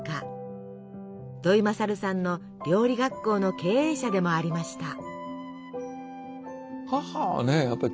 土井勝さんの料理学校の経営者でもありました。